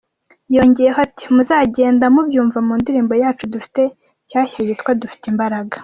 Yongeyeho ati "Muzagenda mubyumva mu ndirimbo yacu dufite nshyashya yitwa ’Dufite Imbaraga’.